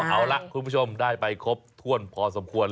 เอาล่ะคุณผู้ชมได้ไปครบถ้วนพอสมควร